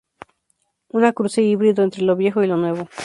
Una cruce híbrido entre lo viejo y lo nuevo.